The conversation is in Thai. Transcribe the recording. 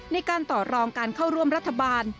ในการต่อรองการเข้าร่วมรัฐบาล